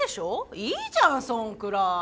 いいじゃんそんくらい。